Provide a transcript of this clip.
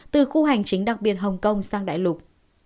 từ khu hành chính đặc biệt hồng kông sang đại lục